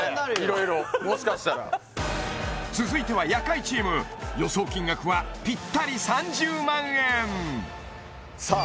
色々もしかしたら続いては夜会チーム予想金額はぴったり３０万円さあ